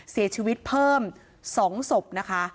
เสียชีวิตเพิ่ม๒ศพนะคะ